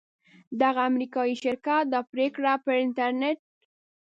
دغه امریکایي شرکت دا پریکړه پر انټرنیټ